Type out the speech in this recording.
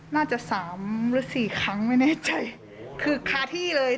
น่าจะสามหรือสี่ครั้งไม่แน่ใจคือคาที่เลย